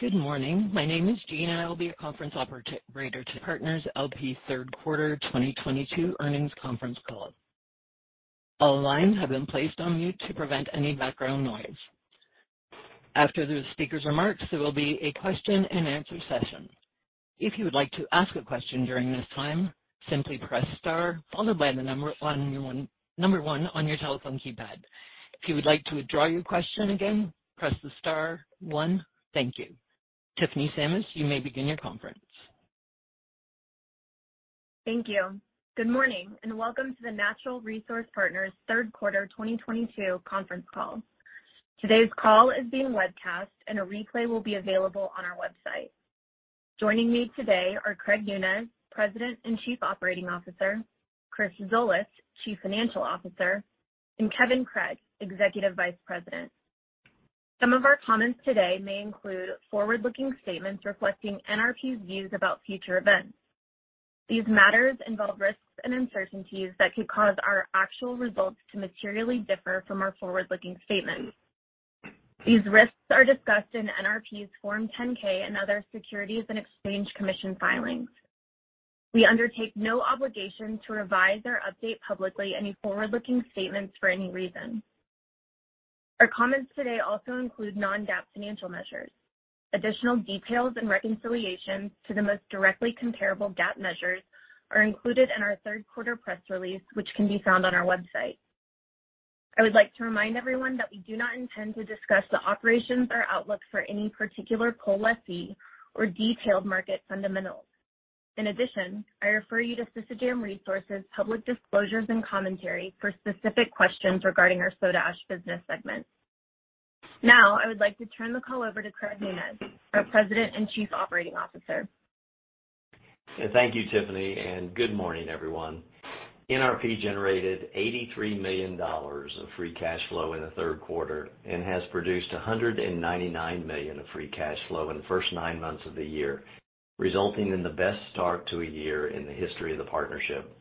Good morning. My name is Jean, and I will be your conference operator for Natural Resource Partners L.P. third quarter 2022 earnings conference call. All lines have been placed on mute to prevent any background noise. After the speaker's remarks, there will be a question-and-answer session. If you would like to ask a question during this time, simply press star followed by one on your telephone keypad. If you would like to withdraw your question, again, press star one. Thank you. Tiffany Sammis, you may begin your conference. Thank you. Good morning, and welcome to the Natural Resource Partners third quarter 2022 conference call. Today's call is being webcast, and a replay will be available on our website. Joining me today are Craig Nunez, President and Chief Operating Officer, Chris Zolas, Chief Financial Officer, and Kevin Craig, Executive Vice President. Some of our comments today may include forward-looking statements reflecting NRP's views about future events. These matters involve risks and uncertainties that could cause our actual results to materially differ from our forward-looking statements. These risks are discussed in NRP's Form 10-K and other Securities and Exchange Commission filings. We undertake no obligation to revise or update publicly any forward-looking statements for any reason. Our comments today also include Non-GAAP financial measures. Additional details and reconciliations to the most directly comparable GAAP measures are included in our third-quarter press release, which can be found on our website. I would like to remind everyone that we do not intend to discuss the operations or outlook for any particular lessee or detailed market fundamentals. In addition, I refer you to Ciner Resources public disclosures and commentary for specific questions regarding our soda ash business segment. Now, I would like to turn the call over to Craig Nunez, our President and Chief Operating Officer. Thank you, Tiffany, and good morning, everyone. NRP generated $83 million of free cash flow in the third quarter and has produced $199 million of free cash flow in the first nine months of the year, resulting in the best start to a year in the history of the partnership.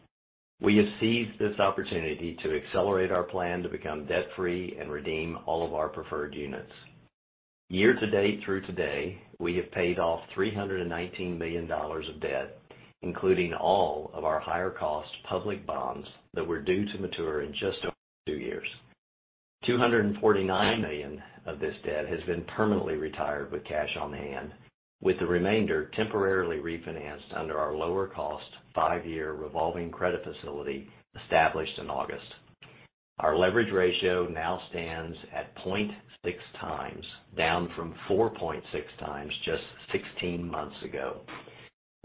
We have seized this opportunity to accelerate our plan to become debt-free and redeem all of our preferred units. Year-to-date through today, we have paid off $319 million of debt, including all of our higher cost public bonds that were due to mature in just over two years. $249 million of this debt has been permanently retired with cash on hand, with the remainder temporarily refinanced under our lower cost five-year revolving credit facility established in August. Our leverage ratio now stands at 0.6x, down from 4.6x just 16 months ago.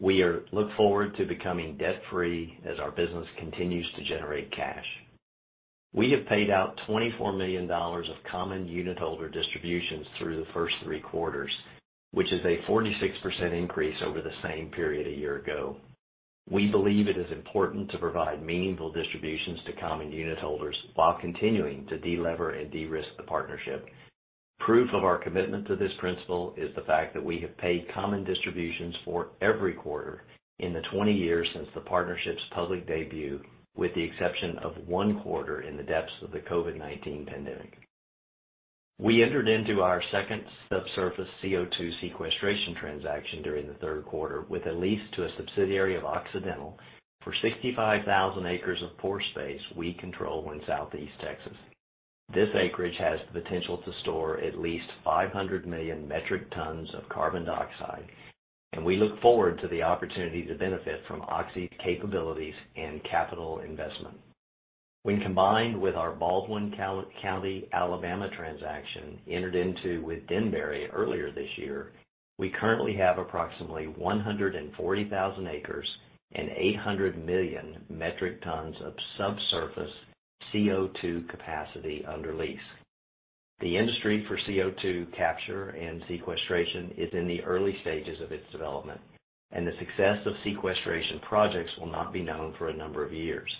We look forward to becoming debt-free as our business continues to generate cash. We have paid out $24 million of common unitholder distributions through the first three quarters, which is a 46% increase over the same period a year ago. We believe it is important to provide meaningful distributions to common unitholders while continuing to delever and de-risk the partnership. Proof of our commitment to this principle is the fact that we have paid common distributions for every quarter in the 20 years since the partnership's public debut, with the exception of one quarter in the depths of the COVID-19 pandemic. We entered into our second subsurface CO2 sequestration transaction during the third quarter with a lease to a subsidiary of Occidental for 65,000 acres of pore space we control in Southeast Texas. This acreage has the potential to store at least 500 million metric tons of carbon dioxide, and we look forward to the opportunity to benefit from Oxy's capabilities and capital investment. When combined with our Baldwin County, Alabama transaction entered into with Denbury earlier this year, we currently have approximately 140,000 acres and 800 million metric tons of subsurface CO2 capacity under lease. The industry for CO2 capture and sequestration is in the early stages of its development, and the success of sequestration projects will not be known for a number of years.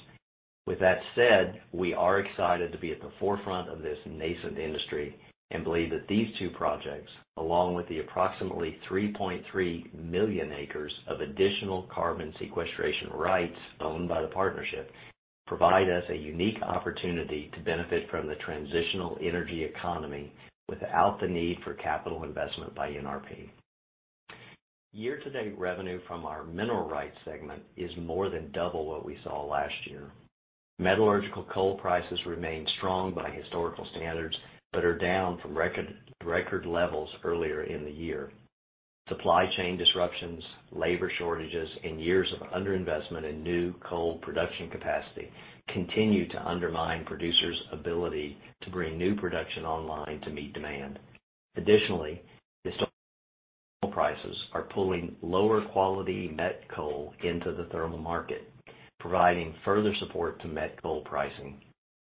With that said, we are excited to be at the forefront of this nascent industry and believe that these two projects, along with the approximately 3.3 million acres of additional carbon sequestration rights owned by the partnership, provide us a unique opportunity to benefit from the transitional energy economy without the need for capital investment by NRP. Year-to-date revenue from our mineral rights segment is more than double what we saw last year. Metallurgical coal prices remain strong by historical standards, but are down from record levels earlier in the year. Supply chain disruptions, labor shortages, and years of underinvestment in new coal production capacity continue to undermine producers' ability to bring new production online to meet demand. Additionally, historical prices are pulling lower quality met coal into the thermal market, providing further support to met coal pricing.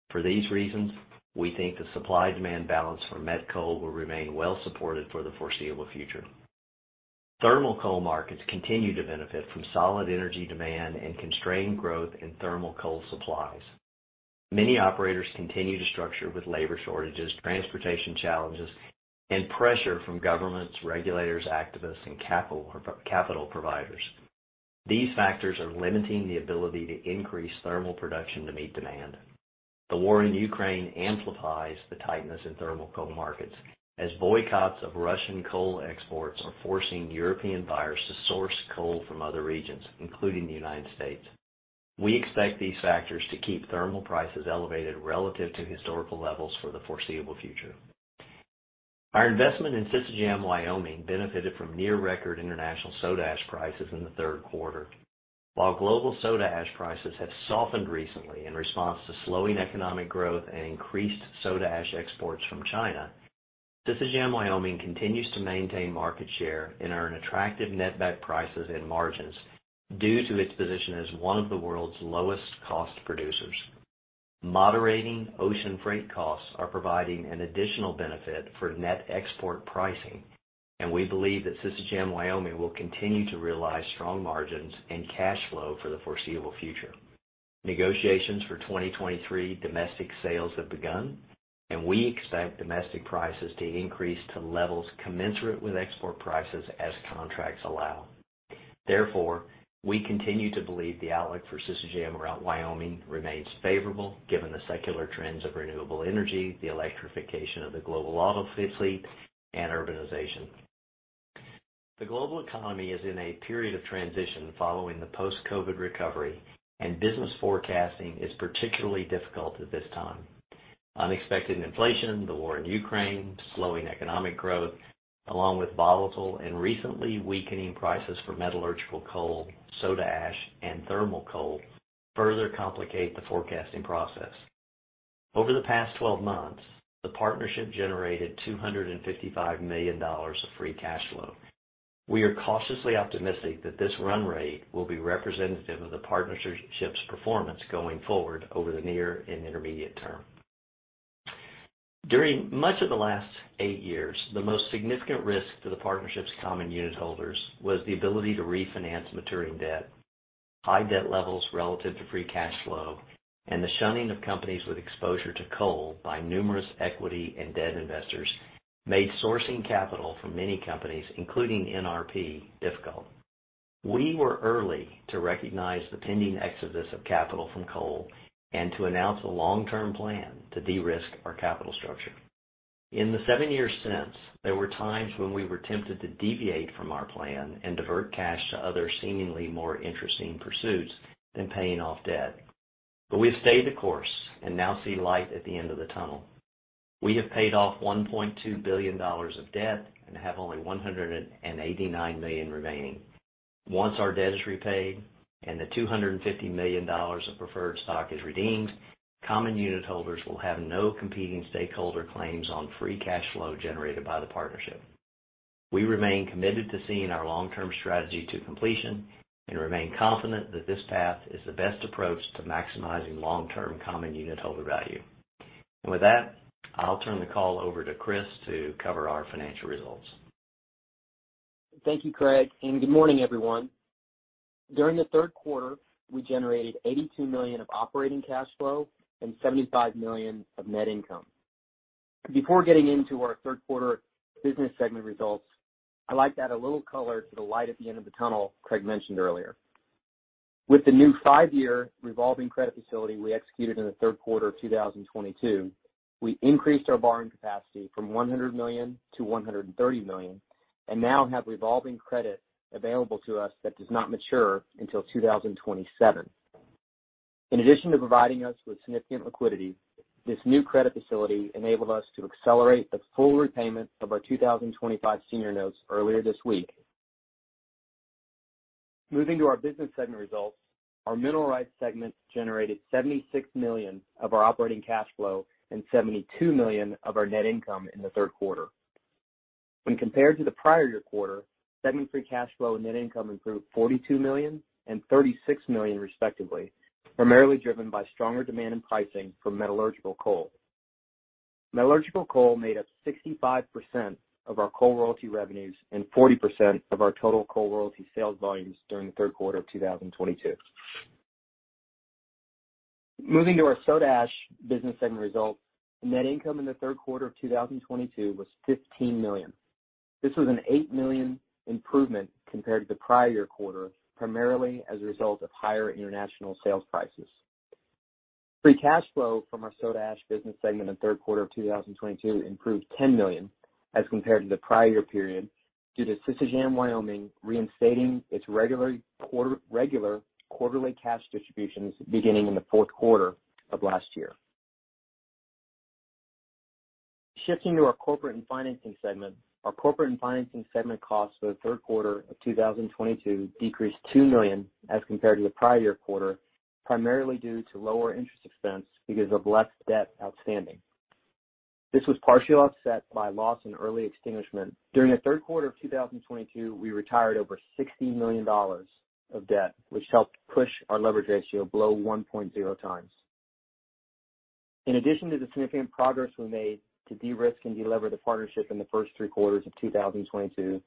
For these reasons, we think the supply-demand balance for met coal will remain well supported for the foreseeable future. Thermal coal markets continue to benefit from solid energy demand and constrained growth in thermal coal supplies. Many operators continue to struggle with labor shortages, transportation challenges, and pressure from governments, regulators, activists, and capital providers. These factors are limiting the ability to increase thermal production to meet demand. The war in Ukraine amplifies the tightness in thermal coal markets as boycotts of Russian coal exports are forcing European buyers to source coal from other regions, including the United States. We expect these factors to keep thermal prices elevated relative to historical levels for the foreseeable future. Our investment in Sisecam Wyoming benefited from near record international soda ash prices in the third quarter. While global soda ash prices have softened recently in response to slowing economic growth and increased soda ash exports from China, Sisecam Wyoming continues to maintain market share and earn attractive netback prices and margins due to its position as one of the world's lowest cost producers. Moderating ocean freight costs are providing an additional benefit for net export pricing, and we believe that Sisecam Wyoming will continue to realize strong margins and cash flow for the foreseeable future. Negotiations for 2023 domestic sales have begun, and we expect domestic prices to increase to levels commensurate with export prices as contracts allow. Therefore, we continue to believe the outlook for Sisecam Wyoming remains favorable given the secular trends of renewable energy, the electrification of the global auto fleet, and urbanization. The global economy is in a period of transition following the post-COVID-19 recovery, and business forecasting is particularly difficult at this time. Unexpected inflation, the war in Ukraine, slowing economic growth, along with volatile and recently weakening prices for metallurgical coal, soda ash, and thermal coal further complicate the forecasting process. Over the past 12 months, the partnership generated $255 million of free cash flow. We are cautiously optimistic that this run rate will be representative of the partnership's performance going forward over the near and intermediate term. During much of the last eight years, the most significant risk to the partnership's common unit holders was the ability to refinance maturing debt. High debt levels relative to free cash flow and the shunning of companies with exposure to coal by numerous equity and debt investors made sourcing capital for many companies, including NRP, difficult. We were early to recognize the pending exodus of capital from coal and to announce a long-term plan to de-risk our capital structure. In the seven years since, there were times when we were tempted to deviate from our plan and divert cash to other seemingly more interesting pursuits than paying off debt. We stayed the course and now see light at the end of the tunnel. We have paid off $1.2 billion of debt and have only $189 million remaining. Once our debt is repaid and the $250 million of preferred stock is redeemed, common unit holders will have no competing stakeholder claims on free cash flow generated by the partnership. We remain committed to seeing our long-term strategy to completion and remain confident that this path is the best approach to maximizing long-term common unit holder value. With that, I'll turn the call over to Chris to cover our financial results. Thank you, Craig, and good morning, everyone. During the third quarter, we generated $82 million of operating cash flow and $75 million of net income. Before getting into our third quarter business segment results, I'd like to add a little color to the light at the end of the tunnel Craig mentioned earlier. With the new five-year revolving credit facility we executed in the third quarter of 2022, we increased our borrowing capacity from $100 million-$130 million, and now have revolving credit available to us that does not mature until 2027. In addition to providing us with significant liquidity, this new credit facility enabled us to accelerate the full repayment of our 2025 senior notes earlier this week. Moving to our business segment results. Our mineral rights segment generated $76 million of our operating cash flow and $72 million of our net income in the third quarter. When compared to the prior year quarter, segment free cash flow and net income improved $42 million and $36 million respectively, primarily driven by stronger demand and pricing for metallurgical coal. Metallurgical coal made up 65% of our coal royalty revenues and 40% of our total coal royalty sales volumes during the third quarter of 2022. Moving to our soda ash business segment results. Net income in the third quarter of 2022 was $15 million. This was an $8 million improvement compared to the prior year quarter, primarily as a result of higher international sales prices. Free cash flow from our soda ash business segment in the third quarter of 2022 improved $10 million as compared to the prior year period due to Sisecam Wyoming reinstating its regular quarterly cash distributions beginning in the fourth quarter of last year. Shifting to our corporate and financing segment. Our corporate and financing segment costs for the third quarter of 2022 decreased $2 million as compared to the prior year quarter, primarily due to lower interest expense because of less debt outstanding. This was partially offset by loss on early extinguishment. During the third quarter of 2022, we retired over $60 million of debt, which helped push our leverage ratio below 1.0x. In addition to the significant progress we made to de-risk and delever the partnership in the first three quarters of 2022,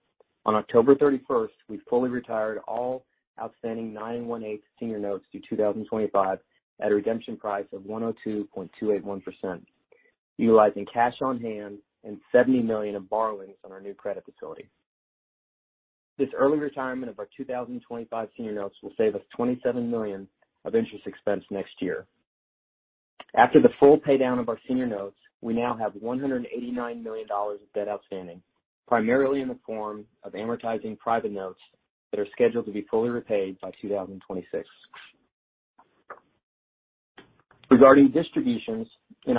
on October 31st, we fully retired all outstanding 9.125% Senior Notes due 2025 at a redemption price of 102.281%. Utilizing cash on hand and $70 million of borrowings on our new credit facility. This early retirement of our 2025 senior notes will save us $27 million of interest expense next year. After the full pay down of our senior notes, we now have $189 million of debt outstanding, primarily in the form of amortizing private notes that are scheduled to be fully repaid by 2026. Regarding distributions, in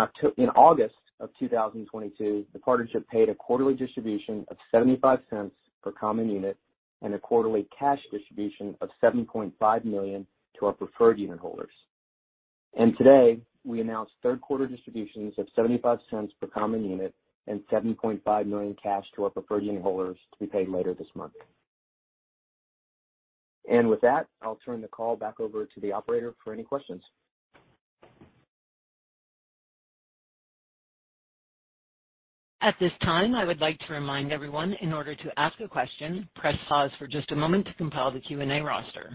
August 2022, the partnership paid a quarterly distribution of $0.75 per common unit and a quarterly cash distribution of $7.5 million to our preferred unit holders. Today, we announced third quarter distributions of $0.75 per common unit and $7.5 million cash to our preferred unit holders to be paid later this month. With that, I'll turn the call back over to the operator for any questions. At this time, I would like to remind everyone, in order to ask a question, press star one to compile the Q&A roster.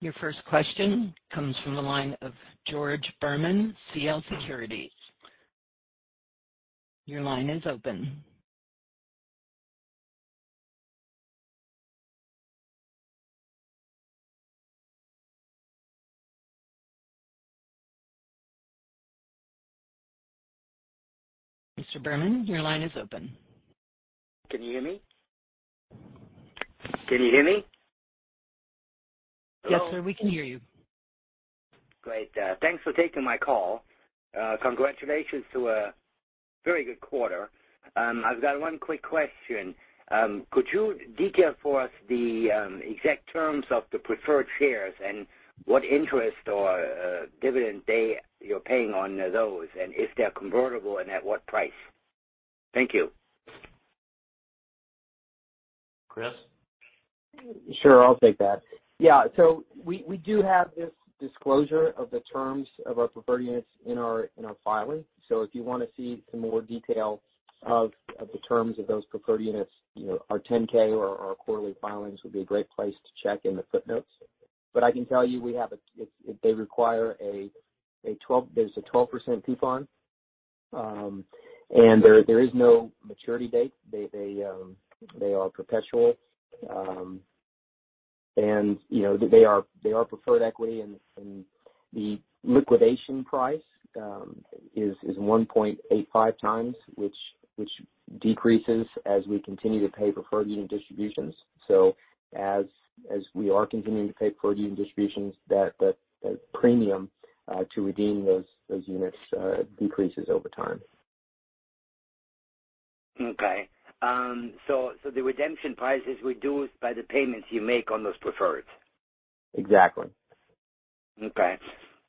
Your first question comes from the line of George Berman, Cabot Lodge Securities. Your line is open. Mr. Berman, your line is open. Can you hear me? Can you hear me? Yes, sir. We can hear you. Great. Thanks for taking my call. Congratulations to a very good quarter. I've got one quick question. Could you detail for us the exact terms of the preferred shares and what interest or dividend they're paying on those, and if they're convertible and at what price? Thank you. Chris? Sure. I'll take that. Yeah. We do have this disclosure of the terms of our preferred units in our filing. If you wanna see some more detail of the terms of those preferred units, you know, our 10-K or our quarterly filings would be a great place to check in the footnotes. I can tell you, we have a 12% coupon, and there is no maturity date. They are perpetual. You know, they are preferred equity and the liquidation price is 1.85x, which decreases as we continue to pay preferred unit distributions. As we are continuing to pay preferred unit distributions, that the premium to redeem those units decreases over time. The redemption price is reduced by the payments you make on those preferreds. Exactly. Okay.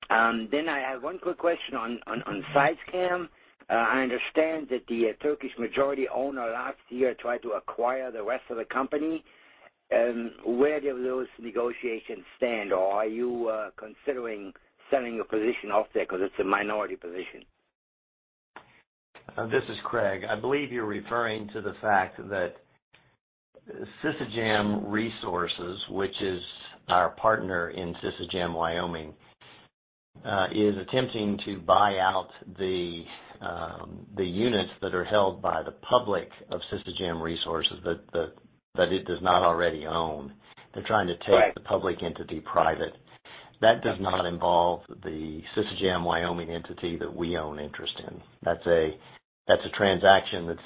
I have one quick question on Sisecam. I understand that the Turkish majority owner last year tried to acquire the rest of the company. Where do those negotiations stand? Or are you considering selling your position off there 'cause it's a minority position? This is Craig. I believe you're referring to the fact that Sisecam Resources, which is our partner in Sisecam Wyoming, is attempting to buy out the units that are held by the public of Sisecam Resources that it does not already own. They're trying to take. Right. Taking the public entity private. That does not involve the Sisecam Wyoming entity that we own interest in. That's a transaction that's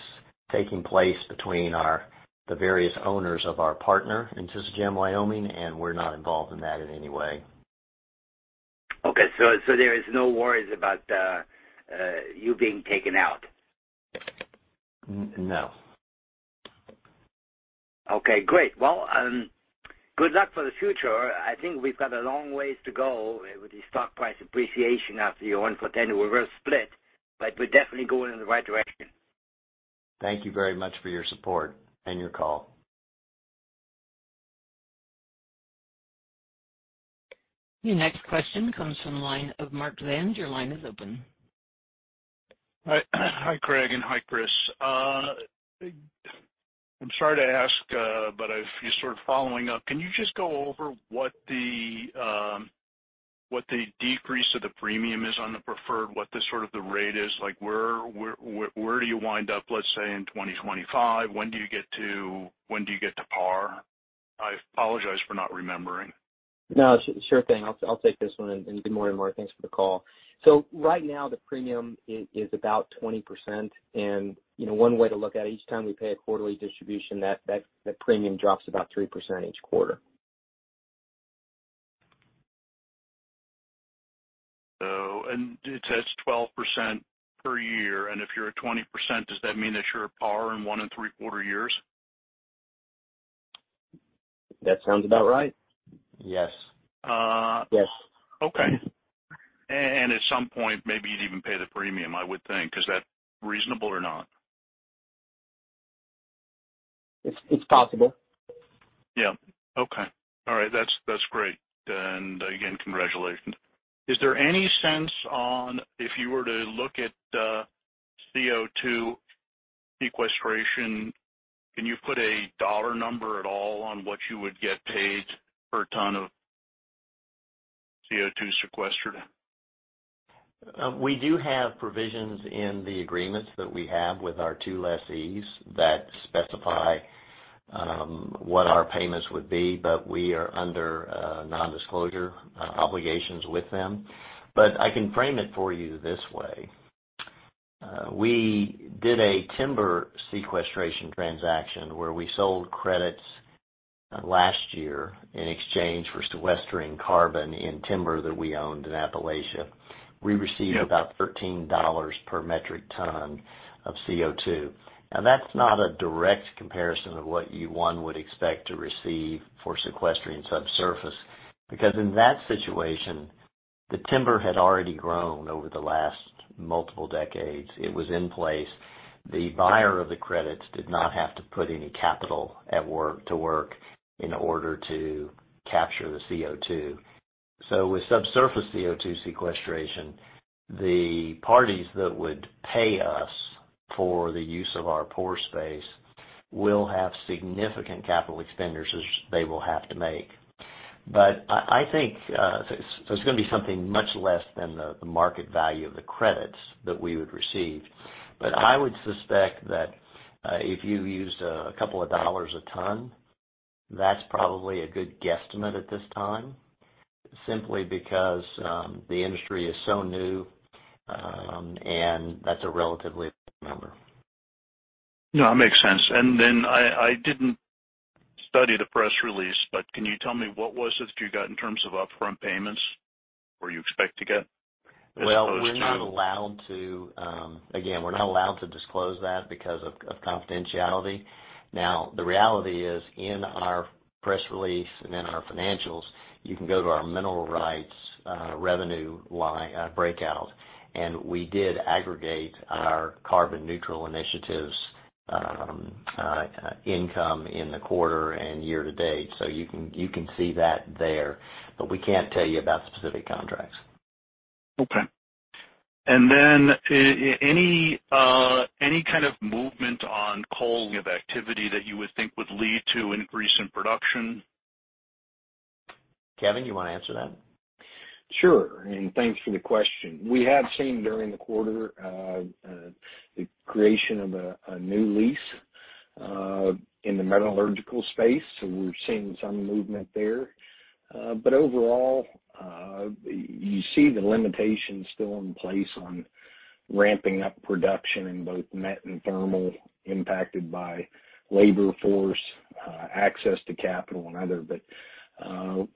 taking place between the various owners of our partner in Sisecam Wyoming, and we're not involved in that in any way. Okay. There is no worries about you being taken out? N-no. Okay, great. Well, good luck for the future. I think we've got a long ways to go with the stock price appreciation after your one-for-ten reverse split, but we're definitely going in the right direction. Thank you very much for your support and your call. Your next question comes from the line of Mark Zinn. Your line is open. Hi. Hi, Craig, and hi, Chris. I'm sorry to ask, but I've just sort of following up. Can you just go over what the decrease of the premium is on the preferred, what the sort of the rate is? Like, where do you wind up, let's say, in 2025? When do you get to par? I apologize for not remembering. No, sure thing. I'll take this one. Good morning, Mark. Thanks for the call. Right now, the premium is about 20%. You know, one way to look at it, each time we pay a quarterly distribution, that the premium drops about 3% each quarter. It says 12% per year. If you're at 20%, does that mean that you're at par in 1.75 years? That sounds about right? Yes. Uh- Yes. Okay. At some point, maybe you'd even pay the premium, I would think. Is that reasonable or not? It's possible. Yeah. Okay. All right. That's great. Again, congratulations. Is there any sense on if you were to look at CO2 sequestration, can you put a dollar number at all on what you would get paid per ton of CO2 sequestered? We do have provisions in the agreements that we have with our two lessees that specify what our payments would be, but we are under non-disclosure obligations with them. I can frame it for you this way. We did a timber sequestration transaction where we sold credits last year in exchange for sequestering carbon in timber that we owned in Appalachia. We received- Yeah. About $13 per metric ton of CO2. Now, that's not a direct comparison of what one would expect to receive for sequestering subsurface. Because in that situation, the timber had already grown over the last multiple decades. It was in place. The buyer of the credits did not have to put any capital at work in order to capture the CO2. With subsurface CO2 sequestration, the parties that would pay us for the use of our pore space will have significant capital expenditures they will have to make. I think so it's gonna be something much less than the market value of the credits that we would receive. I would suspect that, if you used a couple of dollars a ton, that's probably a good guesstimate at this time, simply because the industry is so new, and that's a relative number. No, it makes sense. I didn't study the press release, but can you tell me what was it that you got in terms of upfront payments or you expect to get as opposed to? Well, we're not allowed to. Again, we're not allowed to disclose that because of confidentiality. Now, the reality is in our press release and in our financials, you can go to our mineral rights revenue line breakout, and we did aggregate our carbon neutral initiatives income in the quarter and year to date. You can see that there, but we can't tell you about specific contracts. Any kind of movement on coal export activity that you would think would lead to an increase in production? Kevin, you wanna answer that? Sure. Thanks for the question. We have seen during the quarter the creation of a new lease in the metallurgical space. We're seeing some movement there. Overall, you see the limitations still in place on ramping up production in both met and thermal impacted by labor force access to capital and other.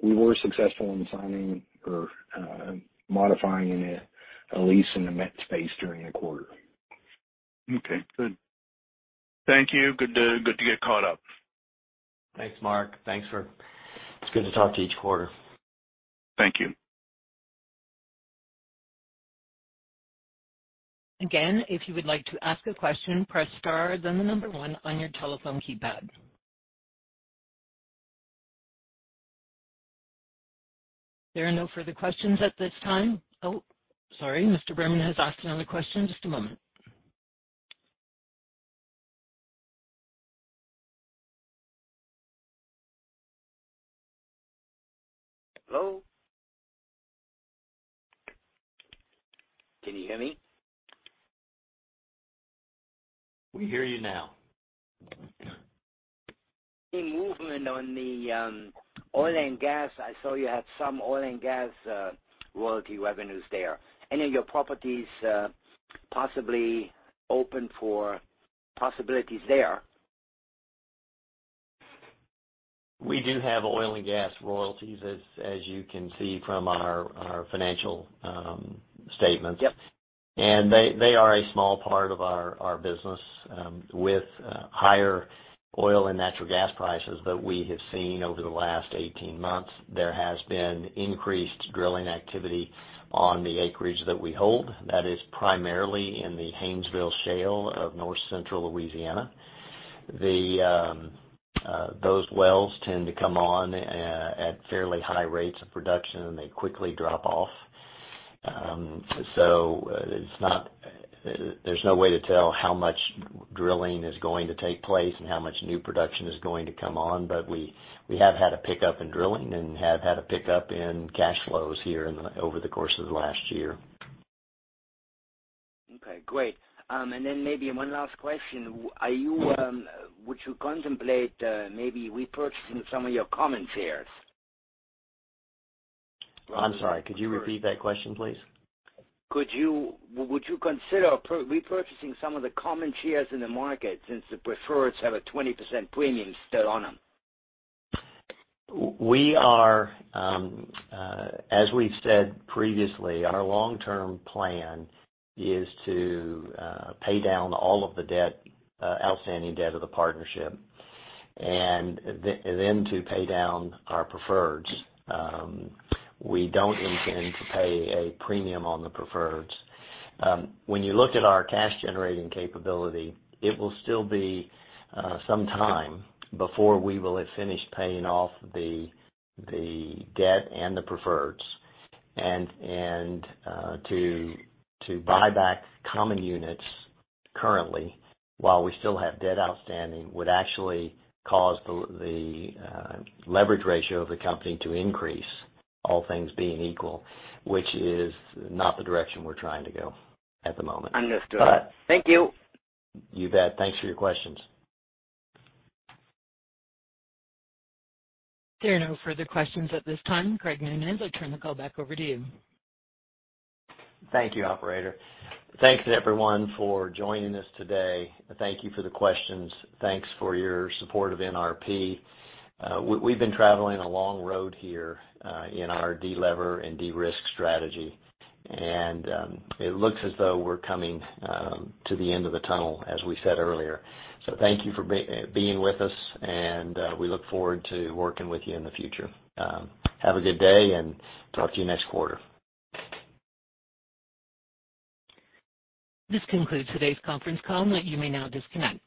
We were successful in signing or modifying a lease in the met space during the quarter. Okay, good. Thank you. Good to get caught up. Thanks, Mark. It's good to talk to each quarter. Thank you. Again, if you would like to ask a question, press star then the number one on your telephone keypad. There are no further questions at this time. Oh, sorry. Mr. Berman has asked another question. Just a moment. Hello? Can you hear me? We hear you now. Any movement on the oil and gas? I saw you had some oil and gas royalty revenues there. Any of your properties possibly open for possibilities there? We do have oil and gas royalties, as you can see from our financial statements. Yep. They are a small part of our business with higher oil and natural gas prices that we have seen over the last 18 months. There has been increased drilling activity on the acreage that we hold. That is primarily in the Haynesville Shale of North Central Louisiana. Those wells tend to come on at fairly high rates of production, and they quickly drop off. There's no way to tell how much drilling is going to take place and how much new production is going to come on. We have had a pickup in drilling and have had a pickup in cash flows over the course of the last year. Okay, great. Maybe one last question. Would you contemplate maybe repurchasing some of your common shares? I'm sorry. Could you repeat that question, please? Would you consider repurchasing some of the common shares in the market since the preferreds have a 20% premium still on them? We are, as we've said previously, our long-term plan is to pay down all of the debt, outstanding debt of the partnership and then to pay down our preferreds. We don't intend to pay a premium on the preferreds. When you look at our cash generating capability, it will still be some time before we will have finished paying off the debt and the preferreds. To buy back common units currently, while we still have debt outstanding, would actually cause the leverage ratio of the company to increase, all things being equal, which is not the direction we're trying to go at the moment. Understood. But- Thank you. You bet. Thanks for your questions. There are no further questions at this time. Craig Nunez, I'll turn the call back over to you. Thank you, operator. Thanks everyone for joining us today. Thank you for the questions. Thanks for your support of NRP. We've been traveling a long road here in our de-lever and de-risk strategy, and it looks as though we're coming to the end of the tunnel, as we said earlier. Thank you for being with us, and we look forward to working with you in the future. Have a good day, and talk to you next quarter. This concludes today's conference call. You may now disconnect.